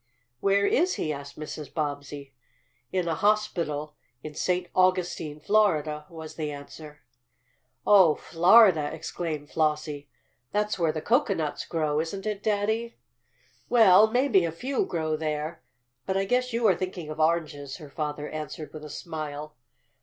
"Where is he?" asked Mrs. Bobbsey. "In a hospital in St. Augustine, Florida," was the answer. "Oh, Florida!" exclaimed Flossie. "That's where the cocoanuts grow; isn't it, Daddy?" "Well, maybe a few grow there, but I guess you are thinking of oranges," her father answered with a smile.